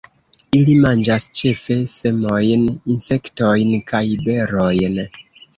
Ili manĝas ĉefe semojn, insektojn kaj berojn.